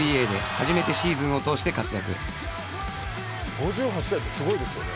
５８試合ってすごいですよね。